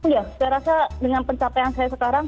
iya saya rasa dengan pencapaian saya sekarang